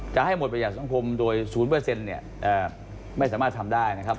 จะให้หมดประหยัดสังคมโดย๐ไม่สามารถทำได้นะครับ